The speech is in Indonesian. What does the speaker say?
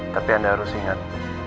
tapi anda harus ingat